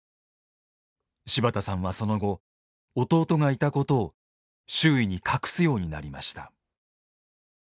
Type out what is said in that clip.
柴田さんはその後弟がいたことを周囲に隠すようになりました。